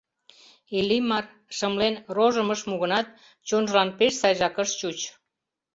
Иллимар, шымлен, рожым ыш му гынат, чонжылан пеш сайжак ыш чуч.